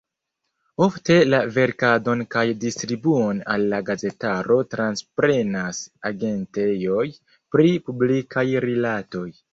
Ofte la verkadon kaj distribuon al la gazetaro transprenas agentejoj pri publikaj rilatoj.